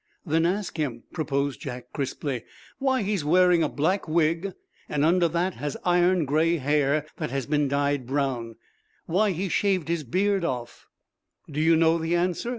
"Then ask him," proposed Jack, crisply, "why he's wearing a black wig, and under that has iron gray hair that has been dyed brown? Why he shaved his beard oft?" "Do you know the answer?"